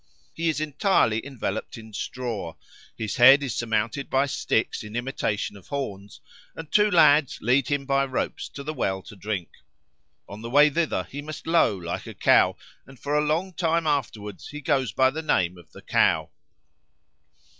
He is entirely enveloped in straw; his head is surmounted by sticks in imitation of horns, and two lads lead him by ropes to the well to drink. On the way thither he must low like a cow, and for a long time afterwards he goes by the name of the Cow.